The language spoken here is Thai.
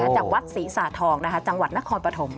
จากวัดศรีสาธองจังหวัดนครปฐม